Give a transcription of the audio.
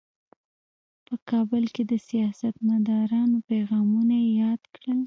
په کابل کې د سیاستمدارانو پیغامونه یې یاد کړل.